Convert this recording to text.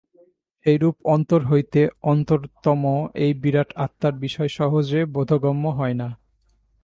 সেইরূপ অন্তর হইতে অন্তরতম এই বিরাট আত্মার বিষয় সহজে বোধগম্য হয় না।